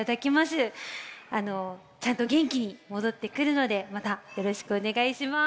ちゃんとげんきにもどってくるのでまたよろしくおねがいします。